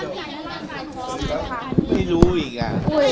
ไม่รู้อีกอ่ะ